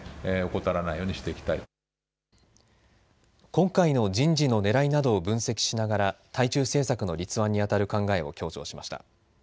今回の人事のねらいなどを分析しながら対中政策の立案にあたる考えを強調しました。